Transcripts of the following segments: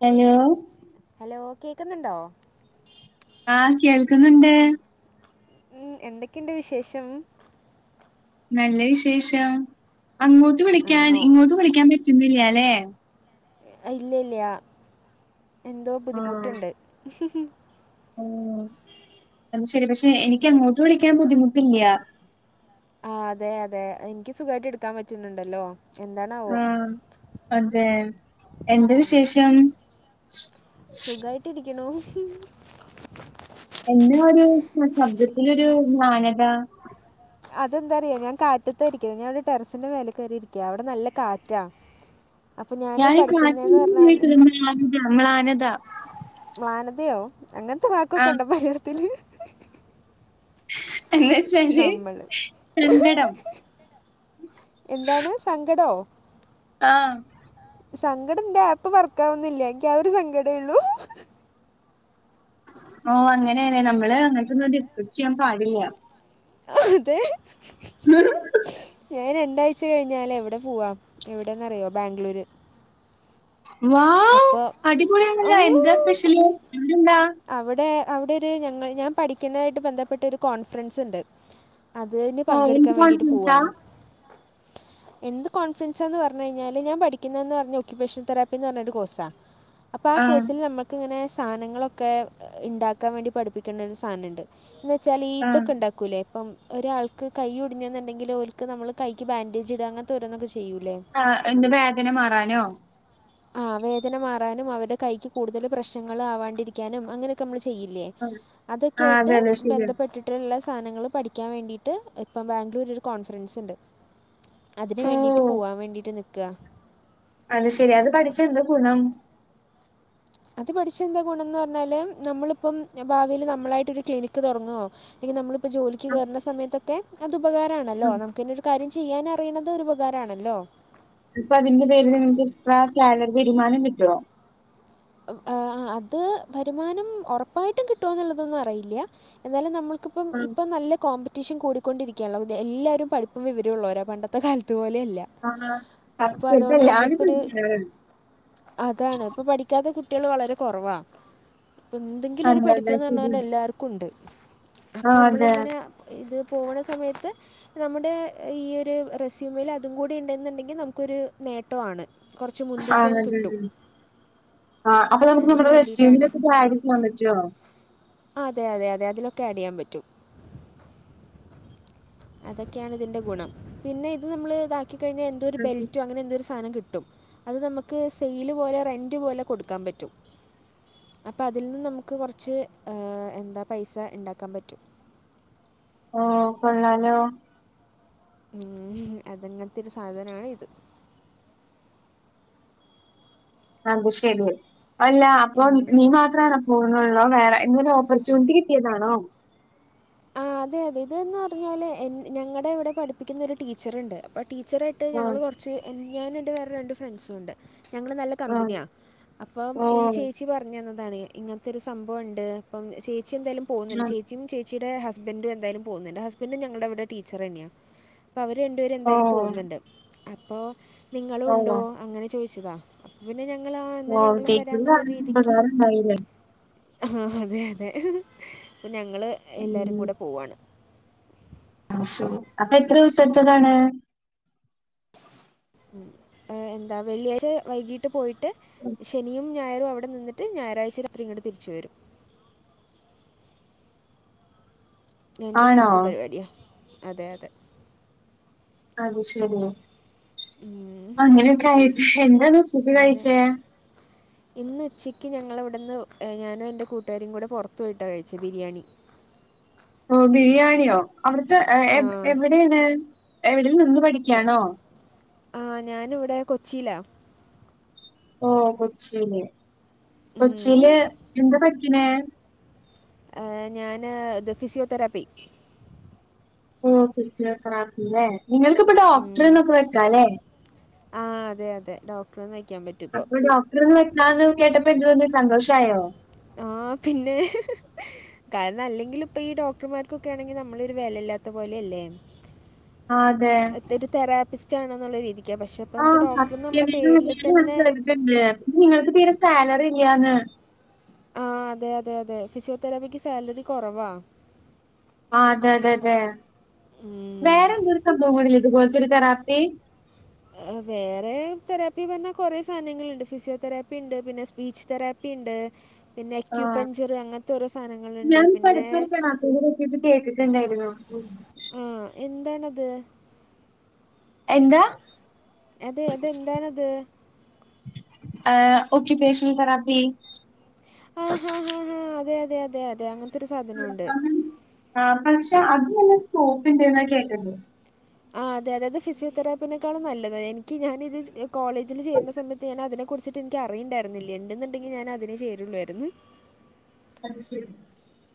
Hello hello കേൾക്കുന്നുണ്ടോ? ആ കേൾക്കുന്നുണ്ട്. മം എന്തൊക്കെണ്ട് വിശേഷം? നല്ല വിശേഷം. അങ്ങോട്ട് വിളിക്കാൻ ആണോ ഇങ്ങോട്ട് വിളിക്കാൻ പറ്റുന്നില്ലല്ലേ? ഇല്ലില്ല എന്തോ ആഹ് ബുദ്ധിമുട്ടുണ്ട്. ഉം അത് ശരി പക്ഷെ എനിക്ക് അങ്ങോട്ട് വിളിക്കാൻ ബുദ്ധിമുട്ടില്ല ആ അതെ അതെ എനിക്ക് സുഖമായിട്ട് എടുക്കാൻ പറ്റുന്നുണ്ടല്ലോ എന്താണാവോ ആഹ അതെ എന്താ വിശേഷം സുഖായിട്ടിരിക്ണു എന്താ ഒരു ശബ്ദത്തിലൊരു മ്ലാനത അതെന്താറിയാ ഞാൻ കാറ്റത്താ രിക്കണത് ഞാനടെ ടെറസിന്റെ മേലെ കയറിയിരിക്ക്യാ അവിടെ നല്ല കാറ്റാ അപ്പോൾ ഞാൻ ഞാനി പഠിക്കുന്നതെന്ന് പറഞ്ഞാൽ [unintelligible] ആനതാ മ്ലാനതയോ അങ്ങനത്തെ വാക്കൊക്കെ ണ്ടോ മലയാളത്തില് എന്ന വച്ചാല് നമ്മൾ കങ്കടം എന്താണ് സങ്കടോ ആഹ് സങ്കട്ണ്ട് ആപ്പ് വർക്കാവുന്നില്ല എനിക്ക് ആ ഒരു സങ്കടേയൊള്ളൂ ഓ അങ്ങനെന്നെ നമ്മള് അങ്ങനത്തൊന്നും ഡിസ്കസ് ചെയ്യാൻ പാടില്ല അതെ ഞാൻ രണ്ടാഴ്ച ച്ച് കഴിഞ്ഞാല് എവിടെ പോവാം എവിടെയന്ന്റിയോ ബാംഗ്ലൂര് വാവ് അടിപൊളിയ ആണല്ലോ എന്താ സ്പെഷ്യല് അടെന്താ അവിടെ അവിടെയൊര് ഞങ്ങൾ ഞാൻ പഠിക്കുന്നതായിട്ട് ബന്ധപ്പെട്ട ഒരു കോൺഫറൻസ് ഉണ്ട് അതിന് ഓ എന്ത് പങ്കെടുക്കാൻ വേണ്ടിട്ട് പോവാ കോൺഫിഡൻസാ? [inaudible] എന്ത് കോൺഫിഡൻസാന്ന് പറഞ് കയിഞ്ഞാല് ഞാൻ പഠിക്കുന്നന്ന് പറഞ്ഞ ഒകുപ്പേഷൻ തെറാപ്പിന്ന് പറഞ്ഞ ഒരു കോഴ്സാ അപ്പൾ ആ ആഹ് കോഴ്സിൽ നമൾക്ക്ങ്ങനെ സാനങ്ങളൊക്കെ ഉണ്ടാക്കാൻ വേണ്ടി പഠിപ്പിക്കേണ്ട ഒരു സാനണ്ട് ന്ന് വെച്ചാല് ഈ ആഹ് ഇതൊക്കെ ഉണ്ടാക്കും ക്കുലെ ഇപ്പം ഒരാൾക്ക് കൈ ഉടിഞ്ഞെന്നുണ്ടെങ്കിൽ ഓൽക്ക്‌ നമ്മൾ കൈക്ക് ബാൻഡേജ് ഇടാ അങ്ങനത്തെ ഓരോന്നൊക്കെ ചെയ്യൂലെ ആ എന്ത് വേദന മാറാനോ? ആഹ് വേദന മാറാനും അവരുടെ കൈയ്ക്ക് കൂടുതൽ പ്രശ്നങ്ങൾ ആവാണ്ടിരിക്കാനും അങ്ങനെയൊക്കെ നമ്മള് ചെയ്യില്ലേ അതൊക്കെ ആഹ് അതെ ആയിട്ട് അതെ ശരിയാ. ബന്ധപ്പെട്ടിട്ട് മറ്റുള്ള സാധനങ്ങൾ പഠിക്കാൻ വേണ്ടിട്ട് ഇപ്പം ബാംഗ്ലൂര് ഒരു കോൺഫറൻസ് ഉണ്ട് അതിനന് ഓ വേണ്ടിട്ട് പോവാൻ വേണ്ടിട്ട് നിക്കുക അത് ശെരിയാ അത് പഠിച്ച എന്താ ഗുണം അത് പഠിച്ച് എന്താ ഗുണംന്ന് പറഞ്ഞാൽ നമ്മളിപ്പം ഭാവിയിൽ നമ്മളായിട്ടൊരു ക്ലിനിക്ക് തുടങ്ങുവോ അങ്കിൽ നമ്മളിപ്പോ ജോലിക്ക് കേയറുന്ന സമയത്തൊക്കെ അത് ഉപകാരമാണല്ലോ നമുക്ക് കാര്യം ചെയ്യാൻ അറിയണത് ഒരു ഉപകാരാണല്ലോ ഇപ്പൊ അതിന്റെ പേരിൽ നിങ്ങൾക്ക് എക്സ്ട്രാ സാലറി വരുമാനം കിട്ടോ അത് വരുമാനം ഉറപ്പായിട്ടും കിട്ടുമ എന്നുള്ളതൊന്നും അറിയില്ല എന്നാലും നമ്മൾക്ക് ഇപ്പ ഇപ്പൊ നല്ല കോമ്പ റ്റീഷ കൂടിക്കൊണ്ടിരിക്കാനുള്ളത് എല്ലരും പഠിപ്പും വിവരമ ഉള്ളവരാ പണ്ടത്തെ കാലത്ത് പോലെയ അല്ല ആഹ് അപ്പൊ സത്യം ഇപ്പ അതോണ്ട് എല്ലാരും നമ്മക്കൊര് പഠിക്കണതാണ്. അതാണ് ഇപ്പൊ പഠിക്കാത്ത കുട്ടികൾ വളരെ കുറവാ എന്തെങ്കിലും ഒരു അതെ അതെ പഠിപ്പന്ന് പറഞ്ഞ ശരിയാ. കൊണ്ട് എല്ലാർക്കും ഉണ്ട് അപ്പൊ ആഹ് മള് അതെ ഇങ്ങനെ ഇത് പോണ സമയത്ത് നമ്മുടെ ഈയ ഒരു റെസ്യൂമൽ അതും കൂടി ഉണ്ടെന്നുണ്ടെങ്കിൽ നമുക്കരു നേട്ടമാണ് കൊറച്ച് മുൻതൂക്കം കിട്ടും ആ അപ്പൊ നമുക്ക് അതിന് നമ്മള് വേണ്ടിയിട്ടാണ് സ്യൂവിലൊക്കെ പാരിക്കാൻ പറ്റുമോ [unintelligible] ആ അതെ അതെ അതെ അതിലൊക്കെ ആഡ് ചെയാൻ പറ്റും അതൊക്കെയാണ് ഇതിൻ്റെ ഗുണം പിന്നെ ഇത് നമ്മൾ ഇതാക്കി കഴിഞ്ഞാ എന്തോ ഒരു ബെൽറ്റോ അങ്ങനെ എന്തോ ഒരു സാനം കിട്ടും. അത് നമ്മക്ക് സെയില് പോലെ റെന്റ് പോലെ കൊടുക്കാൻ പറ്റും അപ്പൊ അതിൽ നിന്ന് നമുക്ക് കുറച്ച് ഏ എന്താ പൈസ ഉണ്ടാക്കാൻ പറ്റും ഓ കൊള്ളാലോ ഉം അതങ്ങൻത്തെ ഒരു സാധനാണ് ഇത് അത് ശരി അല്ല അപ്പൊ നീ മാത്രാണൊ പോവു അോ വേറെ എങ്ങനെ ഓപ്പർച്യണിറ്റി കിട്ടിയതാണോ ആ അതെ അതെ ഇതന്ന് പറഞ്ഞാല് ഞങ്ങളുടെ ഇവിടെ പഠിപ്പിക്കുന്നൊ ഒരു ടീച്ചർുണ്ട് അപ്പൊ ടീച്ചർട്ട് ണ്ട് ആഹ് ഞങ്ങള് കൊർച്ച് ഞാന്ണ്ട് വേറെ രണ്ട് ഫ്രണ്ട്സൂണ്ട് ഞങ്ങള് നല്ല ആഹ്. കമ്പനിയാ അപ്പം ഈ ഓഹ്. ചേച്ചി പറഞ്ഞ എന്താണ് ഇങ്ങനത്തെ ഒരു സംഭവംമുണ്ട് അപ്പം ചേച്ചി എന്തായാലും പോകുന്നുണ്ട് ആഹ്. ചേച്ചിയും കൊച്ചിയുടെ ഹസ്ബൻറും എന്തായാലും പോകുന്നുണ്ട് ഹസ്ബൻഡും ഞുടെവിടെ ടീച്ചർ തന്നെയാ അപ്പ അവര് രണ്ടു പേരും എന്തായാലും ഓഹ്. പോകുന്നുണ്ട് അപ്പോ നിങ്ങളുണ്ടോ ഓഹ്. അങ്ങനെ ചോദിച്ചതാ അപ്പ പിന്നെ ഞങ്ങള എന്നാ ഓഹ്. ഞങ്ങളും ചേച്ചിക്ക് വരാന്നുള്ള കാരണം രീതിക്ക് ഉപകാരണ്ടായില്ലേ? ആ അതെ അതെ അപ്പ ഞങ്ങള് എല്ലാരും ഉം. കൂടെ പോവാണ് ആ ശരി അപ്പൊ എത്ര ദിവസത്ത താണ്? ഏ എന്താ വെള്ളിയാഴ്ച വൈകീട്ട് പോയിട്ട് ശനിയും ഞായറും അടെന്നട്ട് ഞായറാഴ്ച രാത്രി ഇങ്ങട്ട തിരിച്ച് വരും രണ്ട് ആണോ? ദിവസത്തെ പരിപാടിയാണ് അതെ അതെ അത് ശെരി അങ്ങനെയൊക്കെ ആയിട്ട എന്താന്ന് ഉച്ചയ്ക്ക് അതെ കഴിച്ചേ ഇന്ന് ഉച്ചയ്ക്ക് ഞങ്ങളിവിടുന്ന് ഞാനും എൻ്റെ കൂട്ടുകാരിം കൂടെ പുറത്തു പോയിട്ടാണ് കഴിച്ചത് ബിരിയാണി ഓ ബിരിയാണിയോ അവിടുത്തെ ആ എവിടൊണ് എവിടെ നിന്ന് പഠി ഞ ആ ഞാനിവിടെ കൊച്ചിയിലാ ഓഹ് കൊച്ചീല്. കൊച്ചീല് എന്താ പഠിക്ക്ണേ ഏഹ് ഞാന് ഇത് ഫിസിയോതെറാപ്പി ഓ തിരിച്ച നക്കല്ലേ നിങ്ങൾക്ക്ിപ്പ ഉം. ഡോക്ടർന്നൊക്കെ വെക്കാല്ലേ ആ അതെ അതെ ഡോക്ടർന്ന് നയിക്കാൻ പറ്റി അപ്പൊ ഡോക്ടറെന്ന് വെട്ടന്ന് കേട്ടപ്പോ എന്തു തോന്നി സന്തോഷമായോ ആഹ പിന്നെ കാരണം അല്ലെങ്കിൽ ഇപ്പൊ ഈ ഡോക്ടർമാർക്കൊക്കെ ആണെങ്കിൽ നമ്മളൊ ഒരു വിലയില്ലാത്ത പോലെ അല്ലേ ആ അതെ തെറാപ്പിസ്റ്റ് ആണെന്നുള്ള രീതിക്കാ പക്ഷേ പ്പോ ആ നമുക്ക് ഡോക്ടർന്ന് നമ്മുടെ പേരില് തന്നെ ണ്ട് നിങ്ങൾക്ക് തീരെ സാലറി ഇല്ല്യാന്ന് ആഹ് അതെ അതെ അതെ ഫിസിയോതെറാപ്പിക്ക് സാലറി കുറവാ ആ അതെ അതെ അതെ വേറെന്തോരു സംഭവങ്ങളില്ല ഇതുപോലത്തെ ഒരു തെറാപ്പി വേറെ തെറാപ്പി പറഞ്ഞാൽ കുറെേ സാധനങ്ങളുണ്ട് ഫിസിയോതെറാപ്പി ഉണ്ട് പിന്നെ സ്പീച്ച് തെറാപ്പി പ്പിണ്ട് ആഹ് ഞാനിപ്പ പിന്നെ അടുത്തൊരു തെറാപ്പിനെ പറ്റി ഒക്കെ കേട്ടിട്ട്ണ്ടായിരുന്നു ഉ ആ എന്താണത് എന്താ അതെ അതെന്താണത് ഏഹ് ഒക്കിപേഷണൽ തെറാപ്പി ആ ആ ആ അതെ അതെ അതെ അതെ അങ്ങനത്തെരു സാധനംണ്ട് ആ പക്ഷെ അത്ല്ലെ സ്കോപ്പ് ഉണ്ട് എന്ന കേക്കണ്ടോ ആഹ് അതെയതെ. അതായത് ഫിസിയോതെറാപ്പിനേക്കാളും നല്ലത് എനിക്ക് ഞാന് ഇത് കോളേജിൽ ചേര്ന സമയത്ത് ഞാൻ അതിനെ കുറിച്ചിട്ട് നിക്ക് അറിയുണ്ടരുന്നില്ല ണ്ടുന്ന്ണ്ടെങ്കിൽ ഞാനതിനെ ചേരുള്ളായിരുന്നു അത് ശരി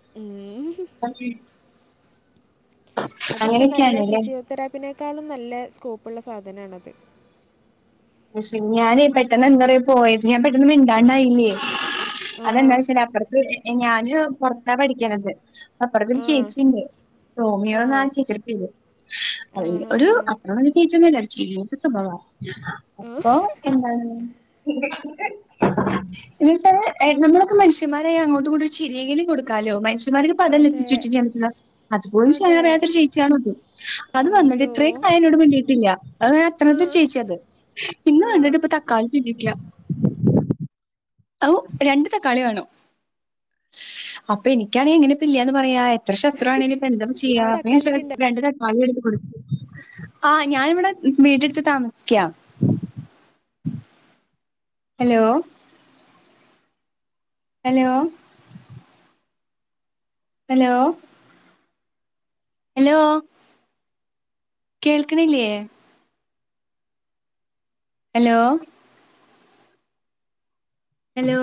ഏ ഓക്കെ അതിപ്പം നല്ല അങ്ങനെയൊക്കെയാണല്ലേ ഫിസിയോതെറാപ്പിനേക്കാളും നല്ല സ്കോപ്പുള്ള സാധനാണത്. പക്ഷെ ഞാനേ പെട്ടെന്ന് എന്താ റിയോ പോയത് ഞാൻ പെട്ടെന്ന് മിണ്ടാണ്ടായില്ലേ ആ അതെന്താ വച്ചല് അപ്പുറത്ത് ഞാന് പൊറത്താ പഠിക്കാനുണ്ട് അപ്പുറത്തരു ആ ചേച്ചിണ്ട് ആ റോമിയോന്നാ ചേച്ചിടെ പേര് അ ആ ഹാ ഒരു ഹാ അപ്പം വ ചിരിയൊന്നുല്ല നല്ല സ്വഭാവ അപ്പൊ എന്താണ് എന്ന വച്ചാല് എ നമ്മളൊക്കെ മനുഷ്യന്മാരായി അങ്ങോട്ട് കൊണ്ട് ചിരിയെങ്കിലും കൊടുക്കാലോ മനുഷ്യൻമാർക്ക് അതല്ലേ അതെ എത്തിച്ചിട്ട് അതുപോലും അതെ ഷെയർ ചെയ്യാത്ത ചേച്ചിയാണുള്ളത്. അത് പറഞ്ഞിട്ട് അയ്യോ ഇത്രയും കാലം എന്നോട് മിണ്ടിട്ടില്ല. ആ എത്രാമത്തെ ചേച്ചയാ അത് ഇന്ന് ആ വന്നിട്ട് ഇപ്പൊ തക്കാളി [unintelligible] ഔ രണ്ട് തക്കാളി വേണം. അപ്പൊ എനിക്കാണേ എങ്ങനാ ഇപ്പം ഇല്ലാന്ന് പറയാ എത്ര ശത്രു ആണങ്കിലുംഇപ്പ എന്തെക്കെ ചെയ്യാം അവിടെ അക്കാലിക്കുണ്ട് [unintelligible] [unintelligible] ആ ഞാനിവിടെ വീടെടുത്ത് താമസിയ്ക്കാ ഹലോ ഹലോ ഹലോ ഹലോ കേൾക്കണില്ലേ? Hello hello